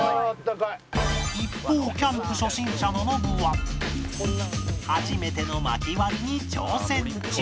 一方キャンプ初心者のノブは初めての薪割りに挑戦中